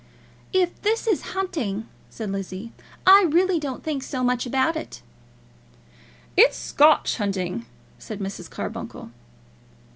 "If this is hunting," said Lizzie, "I really don't think so much about it." "It's Scotch hunting," said Mrs. Carbuncle.